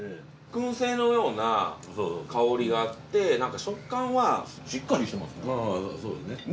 燻製のような香りがあって食感はしっかりしてますね。